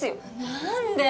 何で？